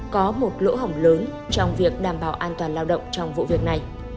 có một lỗ hỏng lớn trong việc đảm bảo an toàn lao động trong vụ việc này